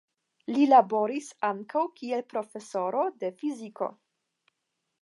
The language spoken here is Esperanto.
Li laboris ankaŭ kiel profesoro de fiziko.